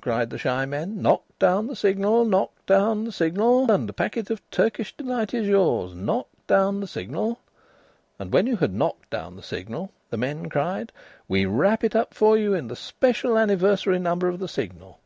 cried the shy men. "Knock down the signal! Knock down the signal! And a packet of Turkish delight is yours. Knock down the signal!" And when you had knocked down the signal the men cried: "We wrap it up for you in the special Anniversary Number of the Signal."